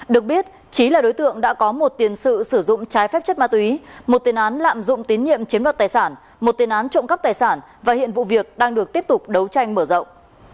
được biết trí là đối tượng đã có một tiền sử dụng trái phép chất ma túy một tiền án lạm dụng tín nhiệm chiếm đoạt tài sản một tiền án trộm cắp tài sản và hiện vụ việc đang được tiếp tục đấu tranh mở rộng